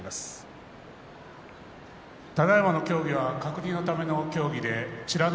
ただいまの協議は確認のための協議で美ノ